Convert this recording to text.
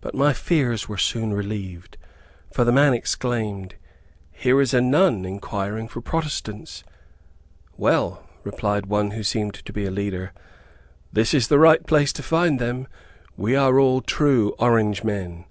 But my fears were soon relieved, for the man exclaimed, "Here is a nun, inquiring for protestants." "Well," replied one who seemed to be a leader, "this is the right place to find them. We are all true Orange men."